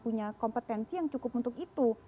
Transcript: punya kompetensi yang cukup untuk itu